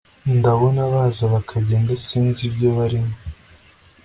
ndabona baza bakagenda sinzi ibyo barimo